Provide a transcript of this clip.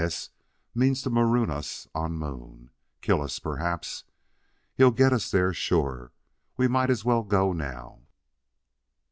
S means to maroon us on Moon kill us perhaps. He'll get us there, sure. We might as well go now."